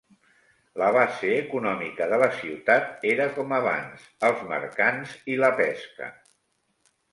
La base econòmica de la ciutat era com abans, els mercants i la pesca.